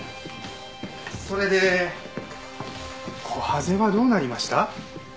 それでコハゼはどうなりました？